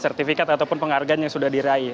sertifikat ataupun penghargaan yang sudah diraih